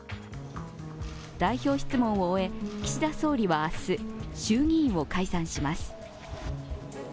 代表質問を終え、岸田総理は明日、衆議院を解散します。